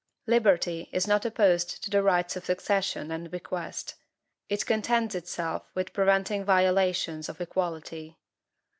Liberty is not opposed to the rights of succession and bequest. It contents itself with preventing violations of equality.